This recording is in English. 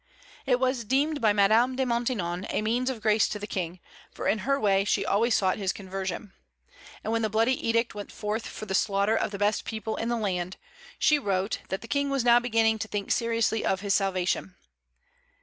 It was deemed by Madame de Maintenon a means of grace to the King, for in her way she always sought his conversion. And when the bloody edict went forth for the slaughter of the best people in the land, she wrote that "the King was now beginning to think seriously of his salvation.